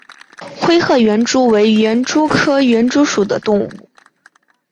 灰褐园蛛为园蛛科园蛛属的动物。